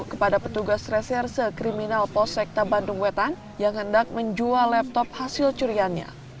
kepada petugas reserse kriminal posekta bandung wetan yang hendak menjual laptop hasil curiannya